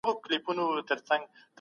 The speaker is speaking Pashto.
سود مه اخلئ او مه یې ورکوئ.